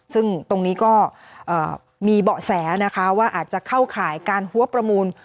ซึ่งตรงนี้ก็มีเบาะแสนะคะว่าอาจจะเข้าข่ายการหัวประมูล